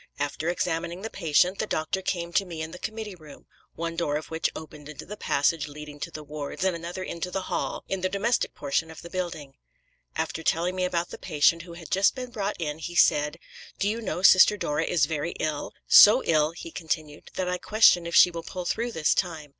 After examining the patient, the doctor came to me in the committee room one door of which opened into the passage leading to the wards and another into the hall in the domestic portion of the building. After telling me about the patient who had just been brought in, he said, 'Do you know Sister Dora is very ill? So ill,' he continued, 'that I question if she will pull through this time.'